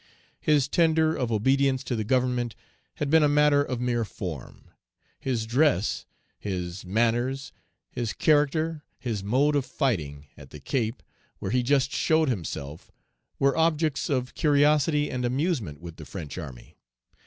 His tender of obedience to the Government had been a matter of mere form. His dress, his manners, his character, his mode of fighting, at the Cape, where he just showed himself, were objects of curiosity and amusement with the French army.